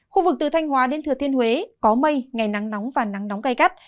khu vực từ thanh hóa đến thừa thiên huế có mây ngày nắng nóng và nắng nóng gai gắt